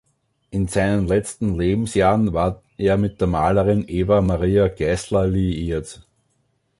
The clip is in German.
In seinen letzten Lebensjahren war er mit der Malerin Eva-Maria Geisler liiert.